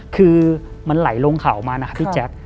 คือมันไหลลงเขามานะครับพี่แจ๊ค